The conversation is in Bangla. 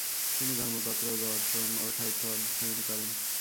তিনি ধর্মতত্ত্ব, দর্শন ও সাহিত্য অধ্যয়ন করেন।